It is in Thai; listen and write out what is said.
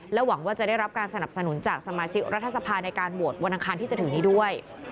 หวังว่าจะได้รับการสนับสนุนจากสมาชิกรัฐสภาในการโหวตวันอังคารที่จะถึงนี้ด้วย